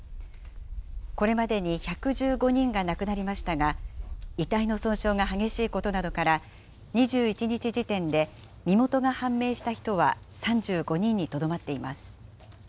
これまでに１１５人が亡くなりましたが、遺体の損傷が激しいことなどから、２１日時点で身元が判明した人は３５人にとどまっています。